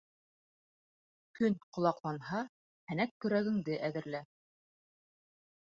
Көн ҡолаҡланһа, һәнәк-көрәгеңде әҙерлә.